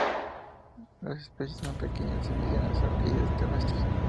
Las especies son pequeñas y medianas orquídeas terrestres.